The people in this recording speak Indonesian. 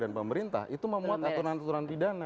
dan pemerintah itu memuat aturan aturan pidana